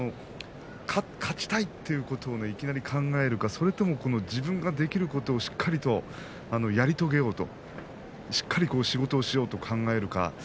勝ちたいということをいきなり考えるかそれとも自分ができることをしっかりやり遂げようとしっかり仕事をしようと考えるか。